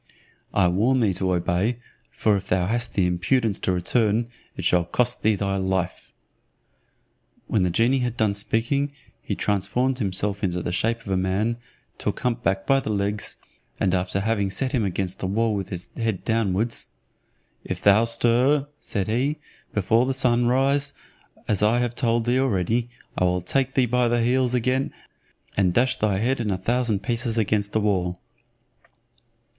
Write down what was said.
I warn thee to obey, for if thou hast the impudence to return, it shall cost thee thy life." When the genie had done speaking, he transformed himself into the shape of a man, took hump back by the legs, and after having set him against the wall with his head downwards, "If thou stir," said he, "before the sun rise, as I have told thee already, I will take thee by the heels again, and dash thy head in a thousand pieces against the wall."